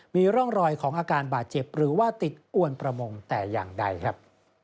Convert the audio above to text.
มีร่องรอยของอาการบาดเจ็บหรือว่าติดอวนประมงแต่อย่างใดครับ